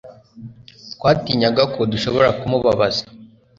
Twatinyaga ko dushobora kumubabaza